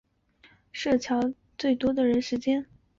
社游是乔最多人的时间